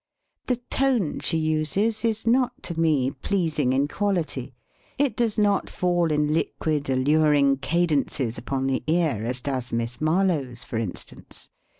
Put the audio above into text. The tone she uses is not to me pleas ing in quality. It does not fall in liquid al luring cadences upon the ear as does Miss Marlowe's, for instance.